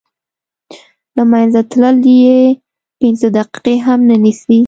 له منځه تلل یې پنځه دقیقې هم نه نیسي.